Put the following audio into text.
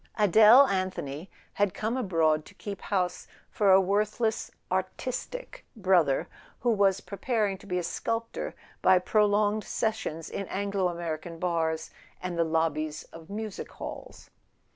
Adele Anthony had come abroad to keep house for a worthless "artis¬ tic" brother, who was preparing to be a sculptor by prolonged sessions in Anglo American bars and the lobbies of music halls.